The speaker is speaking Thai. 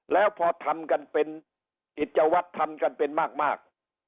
แล้วพอทำกันเป็นกิจวัตรทำกันเป็นมาก